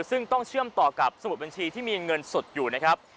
ซึ่งต้องเชื่อมต่อกับสมุดบัญชีที่มีเงินสดอยู่นะครับ